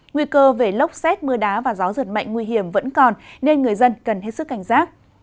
nguy cơ về lốc xét mưa đá và gió giật mạnh nguy hiểm vẫn còn nên người dân cần hết sức cảnh giác